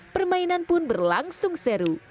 permainan pun berlangsung seru